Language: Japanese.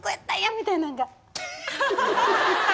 みたいなんが。